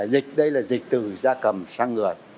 dịch đây là dịch từ ra cầm sang người